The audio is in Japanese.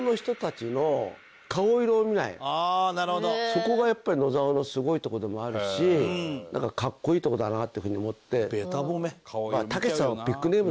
そこがやっぱり野沢のすごいとこでもあるしかっこいいとこだなっていうふうに思って。